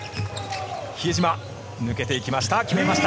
比江島、抜けていきました。